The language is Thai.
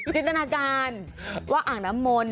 จินตนาการว่าอ่างน้ำมนต์